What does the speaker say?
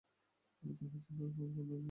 তাঁহার যেন আর ঘরকন্নায় মন লাগে না।